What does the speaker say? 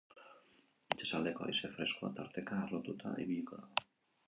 Itsasaldeko haize freskoa, tarteka harrotuta ibiliko da.